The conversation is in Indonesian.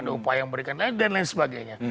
ada upaya untuk memberikan dan lain lain sebagainya